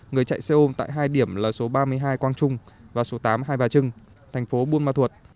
người chạy xe ôm tại hai điểm là số ba mươi hai quang trung và số tám hai bà trưng thành phố buôn ma thuột